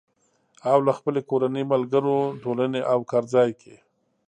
او له خپلې کورنۍ، ملګرو، ټولنې او کار ځای کې